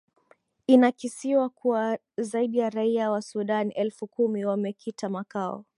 inakisiwa kuwa zaidi ya raia wa sudan elfu kumi wamekita makao